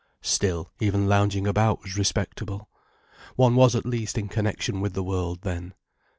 Still, even lounging about was respectable. One was at least in connection with the world, then.